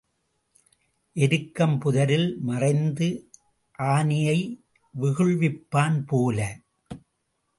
எருக்கம் புதரில் மறைந்து ஆனையை வெகுள்விப்பான் போல.